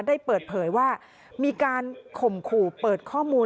ได้เปิดเผยว่ามีการข่มขู่เปิดข้อมูล